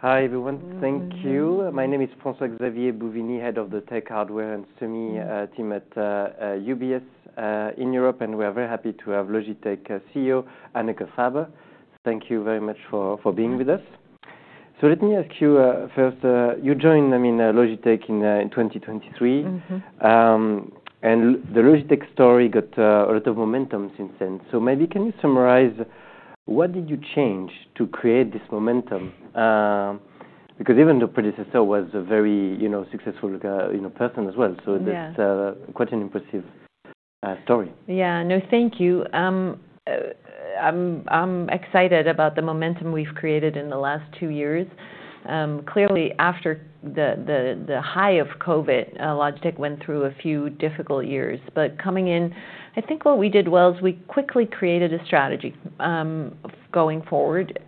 Hi, everyone. Thank you. My name is François-Xavier Bovignies, Head of the Tech, Hardware, and Semi team at UBS in Europe, and we are very happy to have Logitech CEO, Hanneke Faber. Thank you very much for being with us. So let me ask you first, you joined them in Logitech in 2023, and the Logitech story got a lot of momentum since then. So maybe can you summarize what did you change to create this momentum? Because even the predecessor was a very successful person as well. That's quite an impressive story. Yeah, no, thank you. I'm excited about the momentum we've created in the last two years. Clearly, after the high of COVID, Logitech went through a few difficult years. But coming in, I think what we did well is we quickly created a strategy going forward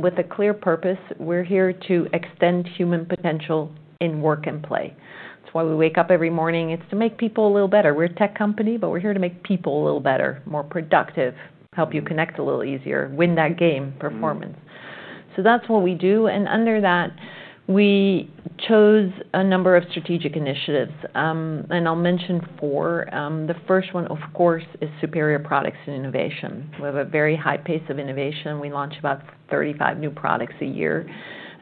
with a clear purpose. We're here to extend human potential in work and play. That's why we wake up every morning. It's to make people a little better. We're a tech company, but we're here to make people a little better, more productive, help you connect a little easier, win that game, performance. So that's what we do. And under that, we chose a number of strategic initiatives, and I'll mention four. The first one, of course, is superior products and innovation. We have a very high pace of innovation. We launch about 35 new products a year,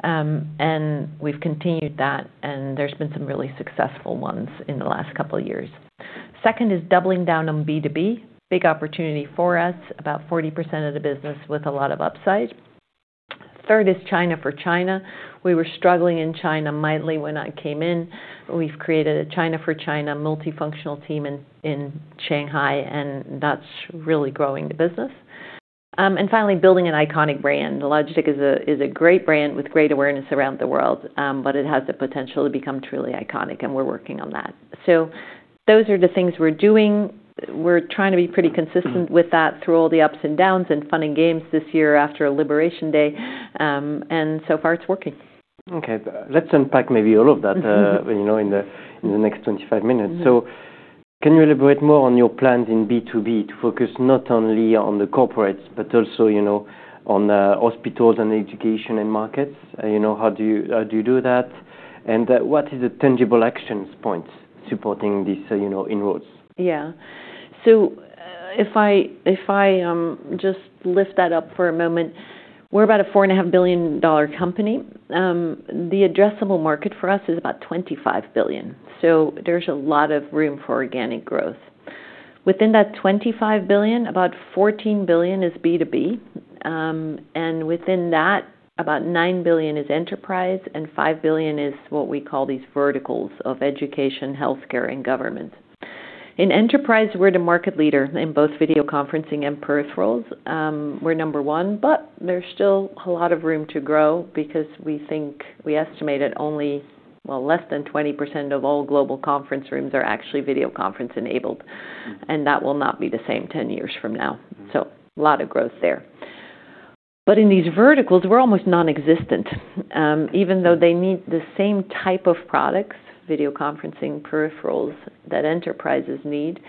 and we've continued that, and there's been some really successful ones in the last couple of years. Second is doubling down on B2B. Big opportunity for us, about 40% of the business with a lot of upside. Third is China for China. We were struggling in China mightily when I came in. We've created a China for China multifunctional team in Shanghai, and that's really growing the business. And finally, building an iconic brand. Logitech is a great brand with great awareness around the world, but it has the potential to become truly iconic, and we're working on that. So those are the things we're doing. We're trying to be pretty consistent with that through all the ups and downs and fun and games this year after Liberation Day, and so far it's working. Okay. Let's unpack maybe all of that in the next 25 minutes. So can you elaborate more on your plans in B2B to focus not only on the corporates, but also on hospitals, education, and markets? How do you do that? And what are the tangible action points supporting these inroads? Yeah. So if I just lift that up for a moment, we're about a $4.5 billion company. The addressable market for us is about $25 billion. So there's a lot of room for organic growth. Within that $25 billion, about $14 billion is B2B, and within that, about $9 billion is enterprise, and $5 billion is what we call these verticals of education, healthcare, and government. In enterprise, we're the market leader in both video conferencing and peripherals. We're number one, but there's still a lot of room to grow because we estimate that only, well, less than 20% of all global conference rooms are actually video conference-enabled, and that will not be the same 10 years from now. So a lot of growth there. But in these verticals, we're almost nonexistent. Even though they need the same type of products, video conferencing peripherals that enterprises need,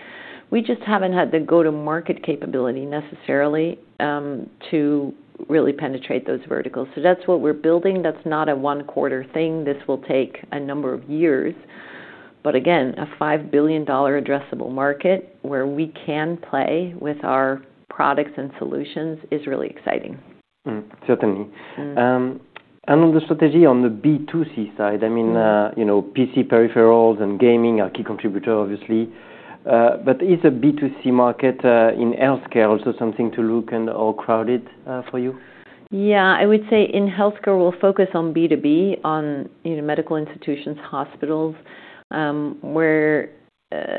we just haven't had the go-to-market capability necessarily to really penetrate those verticals. So that's what we're building. That's not a one-quarter thing. This will take a number of years. But again, a $5 billion addressable market where we can play with our products and solutions is really exciting. Certainly. And on the strategy on the B2C side, I mean, PC peripherals and gaming are key contributors, obviously. But is the B2C market in healthcare also something to look and/or crowded for you? Yeah. I would say in healthcare, we'll focus on B2B, on medical institutions, hospitals, where,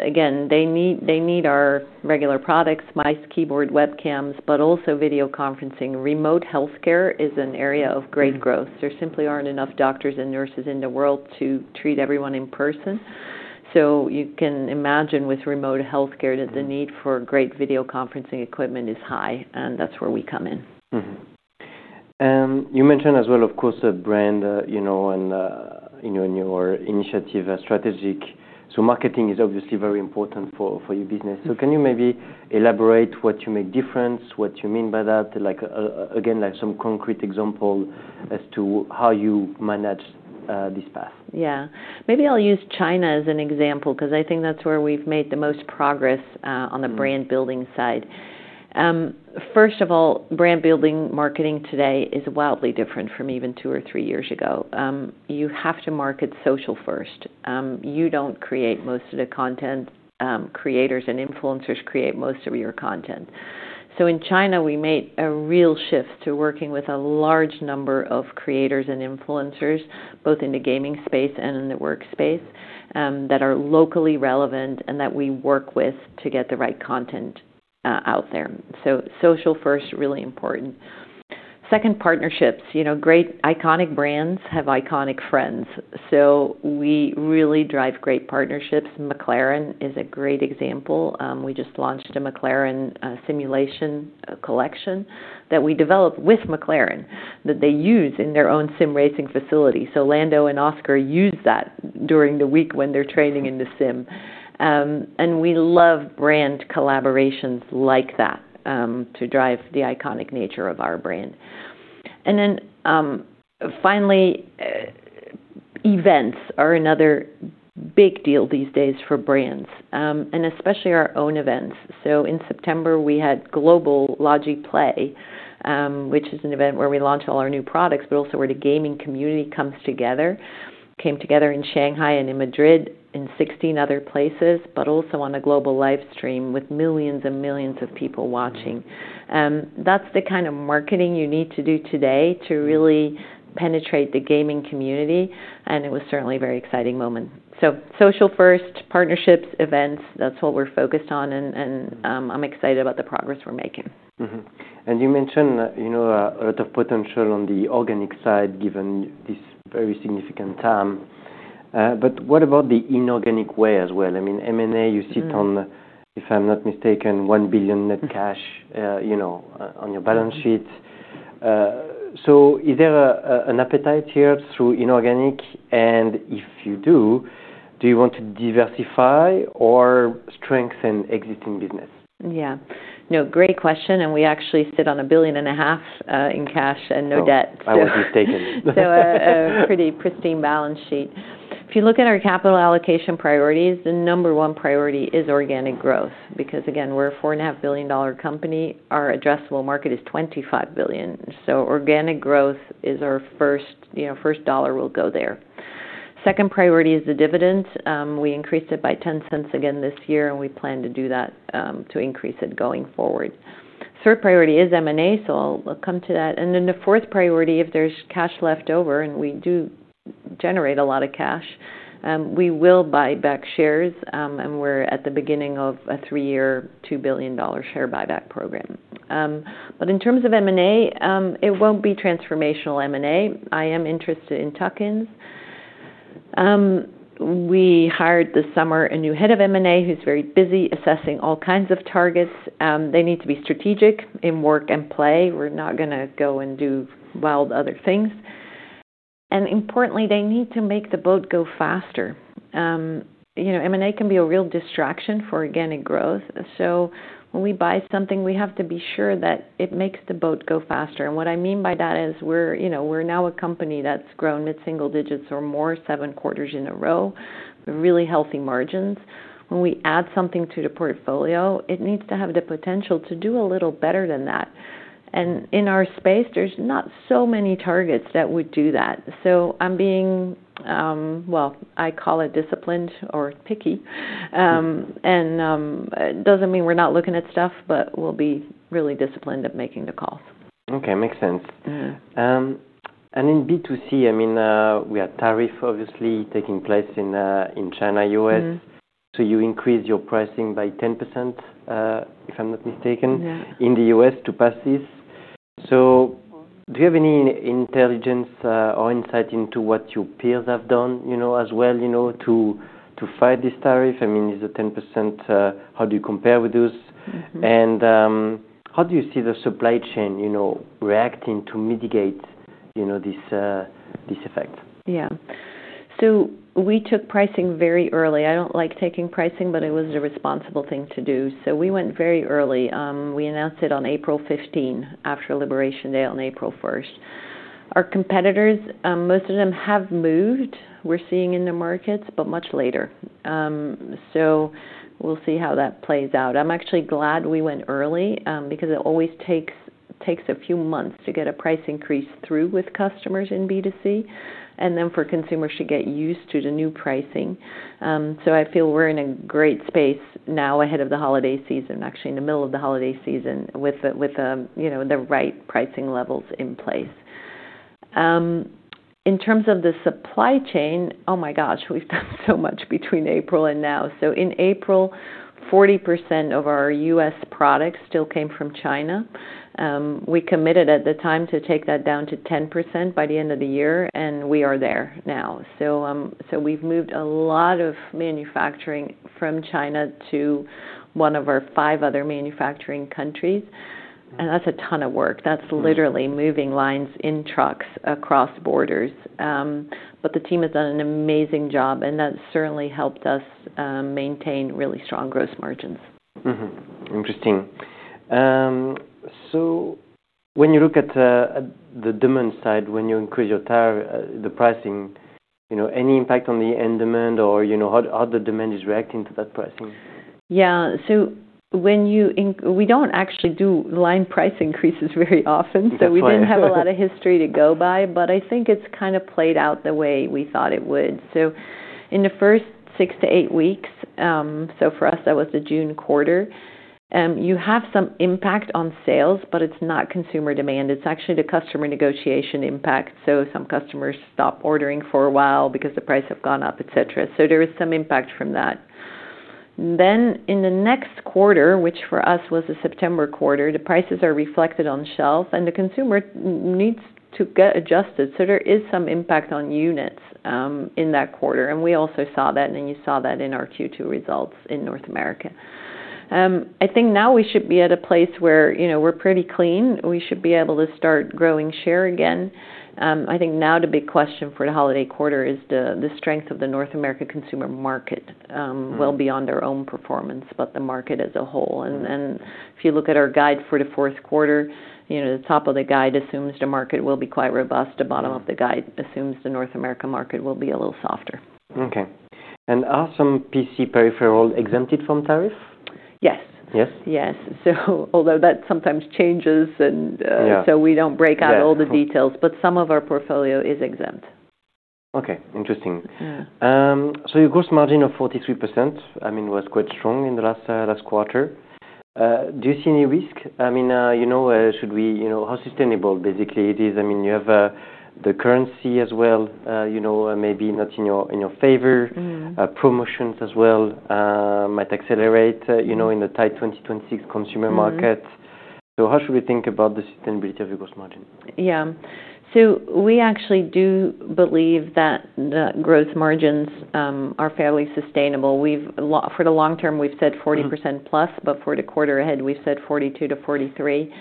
again, they need our regular products, mice, keyboards, webcams, but also video conferencing. Remote healthcare is an area of great growth. There simply aren't enough doctors and nurses in the world to treat everyone in person. So you can imagine with remote healthcare that the need for great video conferencing equipment is high, and that's where we come in. You mentioned as well, of course, a brand in your strategic initiative. So marketing is obviously very important for your business. So can you maybe elaborate what makes you different, what you mean by that? Again, some concrete example as to how you manage this path. Yeah. Maybe I'll use China as an example because I think that's where we've made the most progress on the brand-building side. First of all, brand-building marketing today is wildly different from even two or three years ago. You have to market social first. You don't create most of the content. Creators and influencers create most of your content. So in China, we made a real shift to working with a large number of creators and influencers, both in the gaming space and in the workspace, that are locally relevant and that we work with to get the right content out there. So social first, really important. Second, partnerships. Great iconic brands have iconic friends. So we really drive great partnerships. McLaren is a great example. We just launched a McLaren simulation collection that we developed with McLaren that they use in their own sim racing facility. Lando and Oscar use that during the week when they're training in the sim. We love brand collaborations like that to drive the iconic nature of our brand. Then finally, events are another big deal these days for brands, and especially our own events. In September, we had global Logi Play, which is an event where we launch all our new products, but also where the gaming community comes together, came together in Shanghai and in Madrid, in 16 other places, but also on a global live stream with millions and millions of people watching. That's the kind of marketing you need to do today to really penetrate the gaming community, and it was certainly a very exciting moment. Social first, partnerships, events, that's what we're focused on, and I'm excited about the progress we're making. And you mentioned a lot of potential on the organic side given this very significant time. But what about the inorganic way as well? I mean, M&A, you sit on, if I'm not mistaken, $1 billion net cash on your balance sheet. So is there an appetite here through inorganic? And if you do, do you want to diversify or strengthen existing business? Yeah. No, great question. And we actually sit on $1.5 billion in cash and no debt. I was mistaken. A pretty pristine balance sheet. If you look at our capital allocation priorities, the number one priority is organic growth because, again, we're a $4.5 billion company. Our addressable market is $25 billion. Organic growth is our first dollar will go there. Second priority is the dividends. We increased it by $0.10 again this year, and we plan to do that to increase it going forward. Third priority is M&A, so I'll come to that. The fourth priority, if there's cash left over, and we do generate a lot of cash, we will buy back shares, and we're at the beginning of a three-year $2 billion share buyback program. In terms of M&A, it won't be transformational M&A. I am interested in tuck-ins. We hired this summer a new head of M&A who's very busy assessing all kinds of targets. They need to be strategic in work and play. We're not going to go and do wild other things, and importantly, they need to make the boat go faster. M&A can be a real distraction for organic growth, so when we buy something, we have to be sure that it makes the boat go faster, and what I mean by that is we're now a company that's grown at single digits or more seven quarters in a row with really healthy margins. When we add something to the portfolio, it needs to have the potential to do a little better than that, and in our space, there's not so many targets that would do that, so I'm being, well, I call it disciplined or picky, and it doesn't mean we're not looking at stuff, but we'll be really disciplined at making the calls. Okay. Makes sense. And in B2C, I mean, we have tariffs, obviously, taking place in China, U.S. So you increase your pricing by 10%, if I'm not mistaken, in the U.S. to pass this. So do you have any intelligence or insight into what your peers have done as well to fight this tariff? I mean, is it 10%? How do you compare with those? And how do you see the supply chain reacting to mitigate this effect? Yeah. So we took pricing very early. I don't like taking pricing, but it was a responsible thing to do. So we went very early. We announced it on April 15 after Liberation Day on April 1st. Our competitors, most of them have moved, we're seeing in the markets, but much later. So we'll see how that plays out. I'm actually glad we went early because it always takes a few months to get a price increase through with customers in B2C, and then for consumers to get used to the new pricing. So I feel we're in a great space now ahead of the holiday season, actually in the middle of the holiday season with the right pricing levels in place. In terms of the supply chain, oh my gosh, we've done so much between April and now. In April, 40% of our U.S. products still came from China. We committed at the time to take that down to 10% by the end of the year, and we are there now. We've moved a lot of manufacturing from China to one of our five other manufacturing countries. That's a ton of work. That's literally moving lines in trucks across borders. The team has done an amazing job, and that certainly helped us maintain really strong gross margins. Interesting. So when you look at the demand side, when you increase your tariff, the pricing, any impact on the end demand or how the demand is reacting to that pricing? Yeah. So we don't actually do line price increases very often, so we didn't have a lot of history to go by, but I think it's kind of played out the way we thought it would. So in the first six to eight weeks, so for us, that was the June quarter, you have some impact on sales, but it's not consumer demand. It's actually the customer negotiation impact. So some customers stop ordering for a while because the price has gone up, etc. So there is some impact from that. Then in the next quarter, which for us was the September quarter, the prices are reflected on shelf, and the consumer needs to get adjusted. So there is some impact on units in that quarter. And we also saw that, and then you saw that in our Q2 results in North America. I think now we should be at a place where we're pretty clean. We should be able to start growing share again. I think now the big question for the holiday quarter is the strength of the North America consumer market, well beyond their own performance, but the market as a whole. And if you look at our guide for the fourth quarter, the top of the guide assumes the market will be quite robust. The bottom of the guide assumes the North America market will be a little softer. Okay, and are some PC peripherals exempted from tariff? Yes. Yes? Yes. So although that sometimes changes, and so we don't break out all the details, but some of our portfolio is exempt. Okay. Interesting. So your gross margin of 43%, I mean, was quite strong in the last quarter. Do you see any risk? I mean, should we how sustainable, basically, it is? I mean, you have the currency as well, maybe not in your favor. Promotions as well might accelerate in the tight 2026 consumer market. So how should we think about the sustainability of your gross margin? Yeah, so we actually do believe that the gross margins are fairly sustainable. For the long-term, we've said 40%+, but for the quarter ahead, we've said 42%-43%.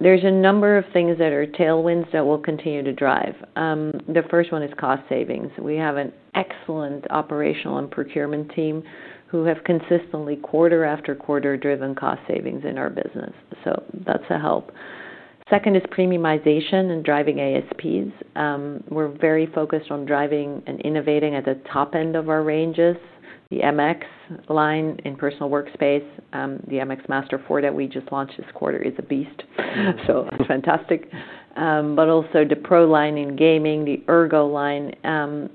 There's a number of things that are tailwinds that will continue to drive. The first one is cost savings. We have an excellent operational and procurement team who have consistently, quarter after quarter, driven cost savings in our business. So that's a help. Second is premiumization and driving ASPs. We're very focused on driving and innovating at the top end of our ranges, the MX line in personal workspace. The MX Master 4 that we just launched this quarter is a beast, so it's fantastic. But also the Pro line in gaming, the Ergoline.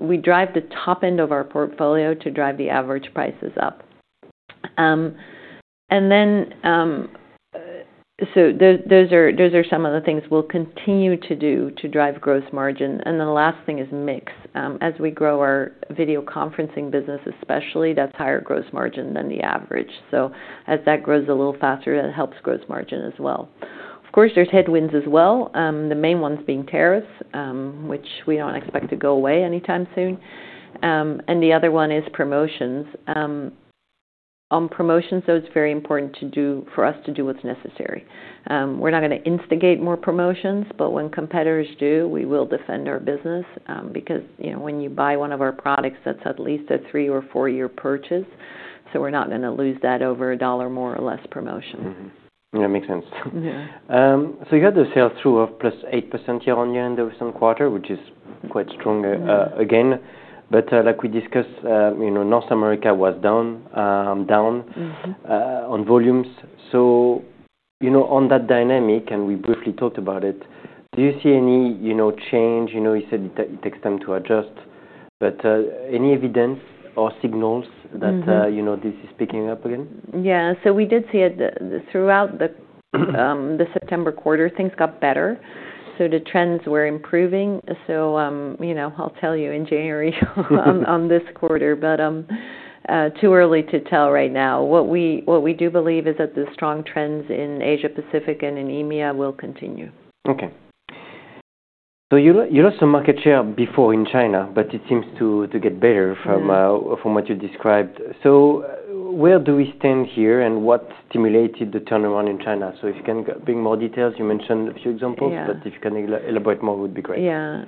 We drive the top end of our portfolio to drive the average prices up. Those are some of the things we'll continue to do to drive gross margin. The last thing is mix. As we grow our video conferencing business, especially, that's higher gross margin than the average. As that grows a little faster, that helps gross margin as well. Of course, there's headwinds as well, the main ones being tariffs, which we don't expect to go away anytime soon. The other one is promotions. On promotions, though, it's very important for us to do what's necessary. We're not going to instigate more promotions, but when competitors do, we will defend our business because when you buy one of our products, that's at least a three or four-year purchase. We're not going to lose that over a dollar more or less promotion. Yeah. Makes sense. So you had the sales growth of plus 8% year on year in the recent quarter, which is quite strong again. But like we discussed, North America was down on volumes. So on that dynamic, and we briefly talked about it, do you see any change? You said it takes time to adjust, but any evidence or signals that this is picking up again? Yeah. So we did see it throughout the September quarter. Things got better. So the trends were improving. So I'll tell you in January on this quarter, but too early to tell right now. What we do believe is that the strong trends in Asia-Pacific and in EMEA will continue. Okay. So you lost some market share before in China, but it seems to get better from what you described. So where do we stand here and what stimulated the turnaround in China? So if you can bring more details, you mentioned a few examples, but if you can elaborate more, it would be great. Yeah.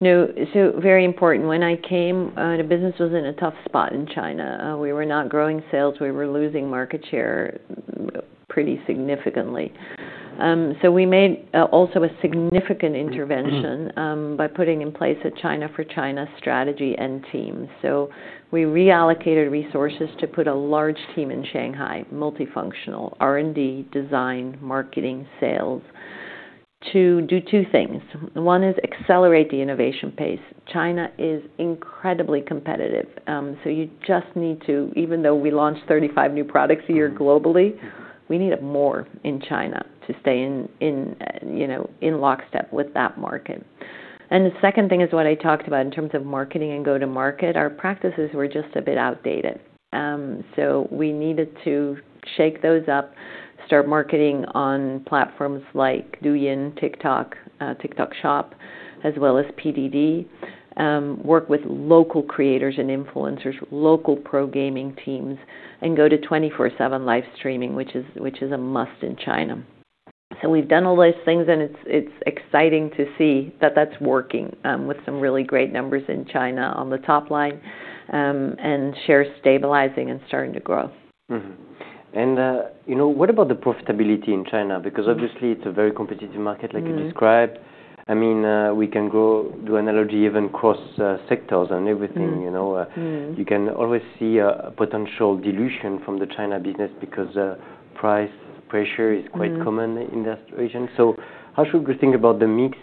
No. So very important. When I came, the business was in a tough spot in China. We were not growing sales. We were losing market share pretty significantly. So we made also a significant intervention by putting in place a China for China strategy and team. So we reallocated resources to put a large team in Shanghai, multifunctional, R&D, design, marketing, sales, to do two things. One is accelerate the innovation pace. China is incredibly competitive. So you just need to, even though we launched 35 new products a year globally, we need more in China to stay in lockstep with that market. And the second thing is what I talked about in terms of marketing and go-to-market, our practices were just a bit outdated. So we needed to shake those up, start marketing on platforms like Douyin, TikTok, TikTok Shop, as well as PDD, work with local creators and influencers, local pro gaming teams, and go to 24/7 live streaming, which is a must in China. So we've done all those things, and it's exciting to see that that's working with some really great numbers in China on the top line and shares stabilizing and starting to grow. What about the profitability in China? Because obviously, it's a very competitive market, like you described. I mean, we can draw an analogy even across sectors and everything. You can always see a potential dilution from the China business because price pressure is quite common in that region. So how should we think about the mix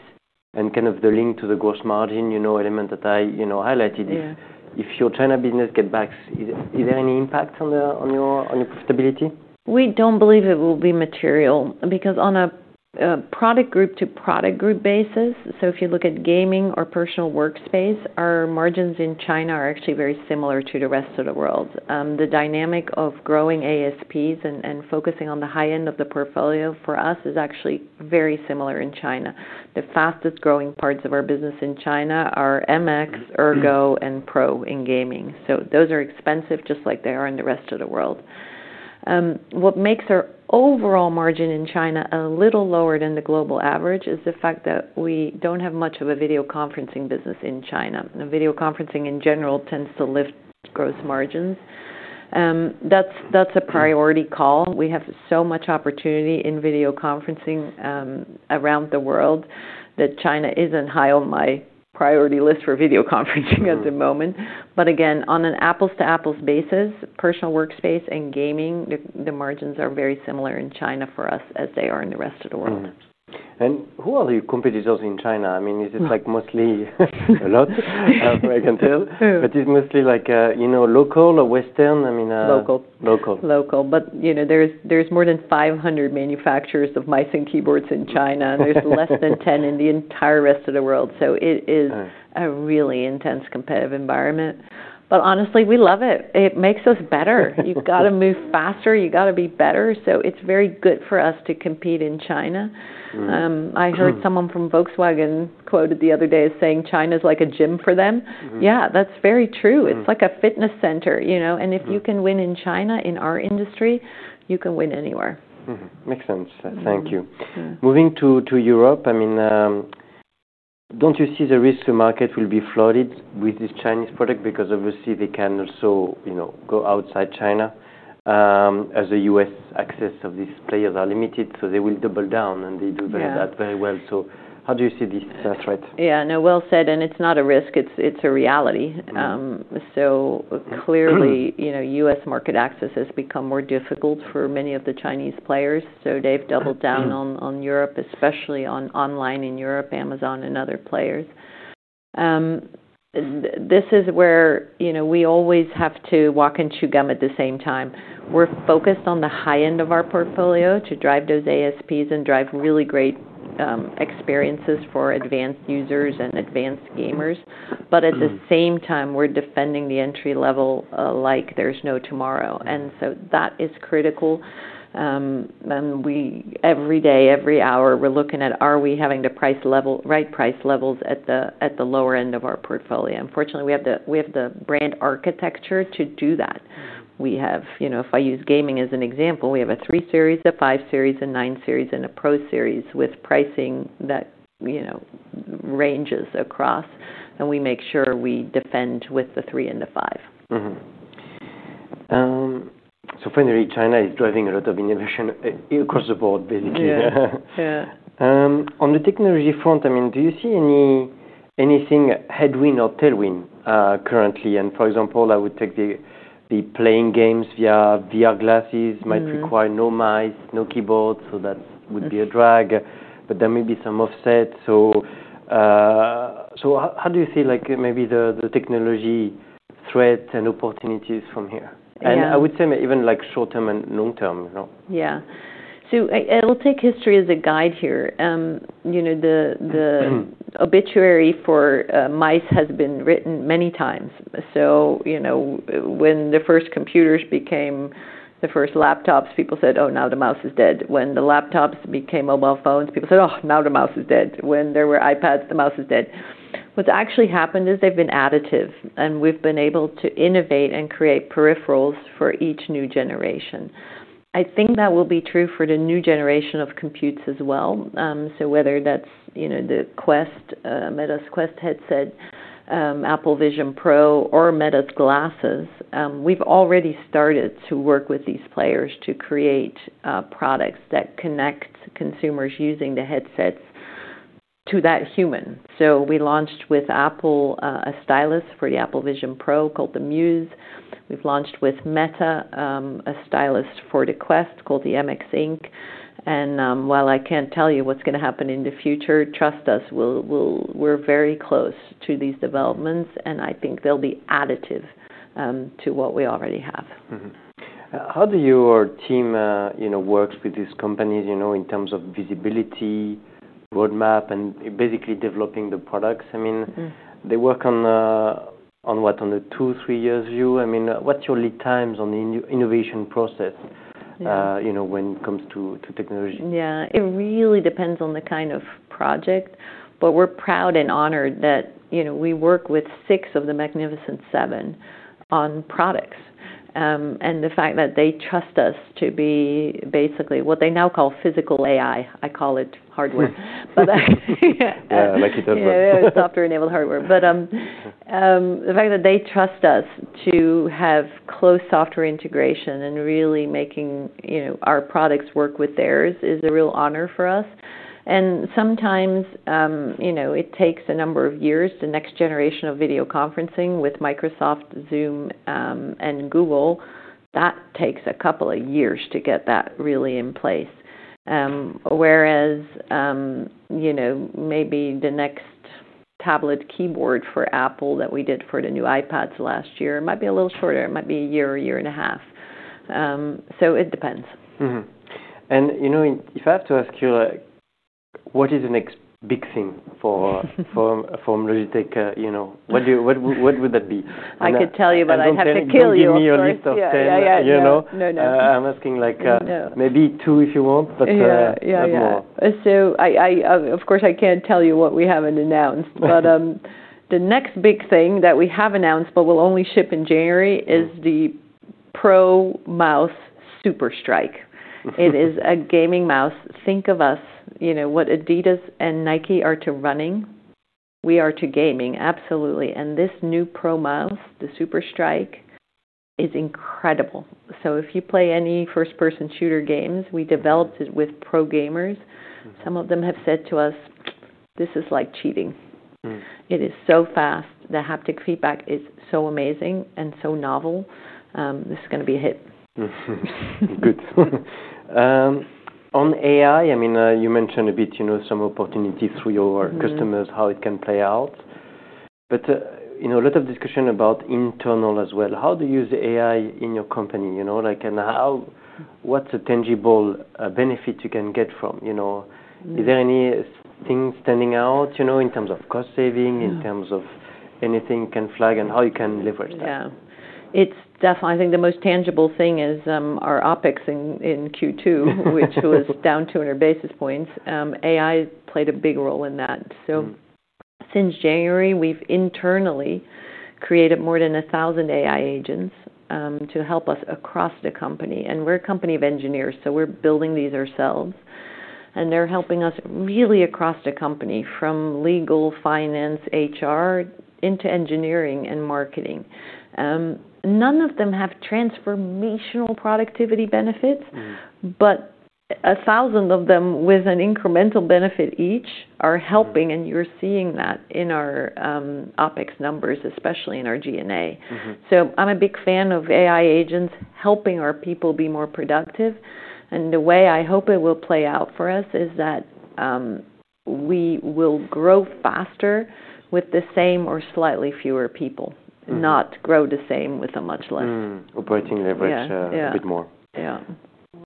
and kind of the link to the gross margin element that I highlighted? If your China business gets back, is there any impact on your profitability? We don't believe it will be material because on a product group to product group basis, so if you look at gaming or personal workspace, our margins in China are actually very similar to the rest of the world. The dynamic of growing ASPs and focusing on the high end of the portfolio for us is actually very similar in China. The fastest growing parts of our business in China are MX, Ergo, and Pro in gaming. So those are expensive just like they are in the rest of the world. What makes our overall margin in China a little lower than the global average is the fact that we don't have much of a video conferencing business in China. Video conferencing in general tends to lift gross margins. That's a priority call. We have so much opportunity in video conferencing around the world that China isn't high on my priority list for video conferencing at the moment. But again, on an apples-to-apples basis, personal workspace and gaming, the margins are very similar in China for us as they are in the rest of the world. And who are the competitors in China? I mean, is it like mostly local? I can't tell. But it's mostly like local or Western? I mean. Local. Local. Local. But there's more than 500 manufacturers of mice and keyboards in China. There's less than 10 in the entire rest of the world. So it is a really intense competitive environment. But honestly, we love it. It makes us better. You've got to move faster. You've got to be better. So it's very good for us to compete in China. I heard someone from Volkswagen quoted the other day as saying, "China is like a gym for them." Yeah, that's very true. It's like a fitness center. And if you can win in China in our industry, you can win anywhere. Makes sense. Thank you. Moving to Europe, I mean, don't you see the risk the market will be flooded with this Chinese product? Because obviously, they can also go outside China as the U.S. access of these players is limited. So they will double down, and they do that very well. So how do you see this threat? Yeah. No, well said. And it's not a risk. It's a reality. So clearly, U.S. market access has become more difficult for many of the Chinese players. So they've doubled down on Europe, especially on online in Europe, Amazon, and other players. This is where we always have to walk and chew gum at the same time. We're focused on the high end of our portfolio to drive those ASPs and drive really great experiences for advanced users and advanced gamers. But at the same time, we're defending the entry-level like there's no tomorrow. And so that is critical. Every day, every hour, we're looking at, are we having the right price levels at the lower end of our portfolio? Unfortunately, we have the brand architecture to do that. If I use gaming as an example, we have a 3 Series, a 5 Series, a 9 Series, and a PRO Series with pricing that ranges across, and we make sure we defend with the 3 and the 5. So finally, China is driving a lot of innovation across the board, basically. On the technology front, I mean, do you see anything headwind or tailwind currently? And for example, I would take the playing games via VR glasses might require no mice, no keyboards, so that would be a drag. But there may be some offset. So how do you feel like maybe the technology threats and opportunities from here? And I would say even like short-term and long-term. Yeah. So I'll take history as a guide here. The obituary for mice has been written many times. So when the first computers became the first laptops, people said, "Oh, now the mouse is dead." When the laptops became mobile phones, people said, "Oh, now the mouse is dead." When there were iPads, the mouse is dead. What's actually happened is they've been additive, and we've been able to innovate and create peripherals for each new generation. I think that will be true for the new generation of computers as well. So whether that's the Quest, Meta's Quest headset, Apple Vision Pro, or Meta's glasses, we've already started to work with these players to create products that connect consumers using the headsets to that human. So we launched with Apple a stylus for the Apple Vision Pro called the Muse. We've launched with Meta a stylus for the Quest called the MX Ink. And while I can't tell you what's going to happen in the future, trust us, we're very close to these developments, and I think they'll be additive to what we already have. How do your team work with these companies in terms of visibility, roadmap, and basically developing the products? I mean, they work on what, on the two, three years view? I mean, what's your lead times on the innovation process when it comes to technology? Yeah. It really depends on the kind of project, but we're proud and honored that we work with six of the Magnificent Seven on products. And the fact that they trust us to be basically what they now call Physical AI. I call it hardware. Yeah. Like it does work. Software-enabled hardware. But the fact that they trust us to have close software integration and really making our products work with theirs is a real honor for us. And sometimes it takes a number of years. The next generation of video conferencing with Microsoft, Zoom, and Google, that takes a couple of years to get that really in place. Whereas maybe the next tablet keyboard for Apple that we did for the new iPads last year might be a little shorter. It might be a year or a year and a half. So it depends. If I have to ask you, what is the next big thing for Logitech? What would that be? I could tell you, but I'd have to kill you. You give me your list of 10. No, no. I'm asking like maybe two if you want, but not more. Yeah. So of course, I can't tell you what we haven't announced. But the next big thing that we have announced, but will only ship in January, is the PRO X2 SUPERSTRIKE. It is a gaming mouse. Think of us. What Adidas and Nike are to running, we are to gaming, absolutely. And this new PRO X2 SUPERSTRIKE, the SUPERSTRIKE, is incredible. So if you play any first-person shooter games, we developed it with pro gamers. Some of them have said to us, "This is like cheating. It is so fast. The haptic feedback is so amazing and so novel. This is going to be a hit. Good. On AI, I mean, you mentioned a bit some opportunities for your customers, how it can play out. But a lot of discussion about internal as well. How do you use AI in your company? And what's a tangible benefit you can get from? Is there anything standing out in terms of cost saving, in terms of anything you can flag and how you can leverage that? Yeah. I think the most tangible thing is our OPEX in Q2, which was down 200 basis points. AI played a big role in that. So since January, we've internally created more than 1,000 AI agents to help us across the company. And we're a company of engineers, so we're building these ourselves. And they're helping us really across the company from legal, finance, HR, into engineering and marketing. None of them have transformational productivity benefits, but 1,000 of them with an incremental benefit each are helping, and you're seeing that in our OPEX numbers, especially in our G&A. So I'm a big fan of AI agents helping our people be more productive. And the way I hope it will play out for us is that we will grow faster with the same or slightly fewer people, not grow the same with a much less. Operating leverage a bit more. Yeah.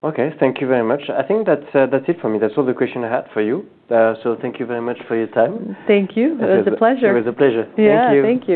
Okay. Thank you very much. I think that's it for me. That's all the questions I had for you. So thank you very much for your time. Thank you. It was a pleasure. It was a pleasure. Thank you. Yeah.